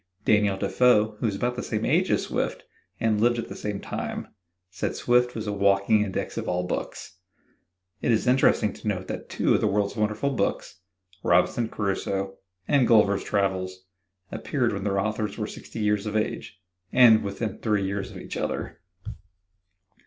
Daniel Defoe, who was about the same age as Swift, and lived at the same time, said Swift was a walking index of all books. It is interesting to note that two of the world's wonderful books, Robinson Crusoe and Gulliver's Travels, appeared when their authors were sixty years of age, and within three years of each other.